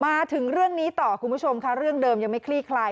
มาถึงเรื่องนี้ต่อคุณผู้ชมค่ะเรื่องเดิมยังไม่คลี่คลาย